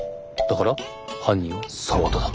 だから犯人は沢田だ。